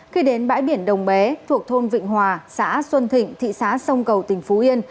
khi đến bãi biển đồng bé thuộc thôn vịnh hòa xã xuân thịnh thị xã sông cầu tỉnh phú yên